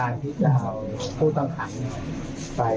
การที่จะเอาผู้ต่างครั้งไปรักษาพยาบาล